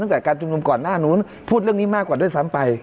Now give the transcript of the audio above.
การชุมนุมก่อนหน้านู้นพูดเรื่องนี้มากกว่าด้วยซ้ำไป